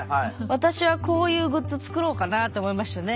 私はこういうグッズ作ろうかなあと思いましたね。